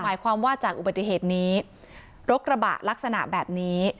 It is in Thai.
หมายความว่าจากอุบัติเหตุนี้รถกระบะลักษณะแบบนี้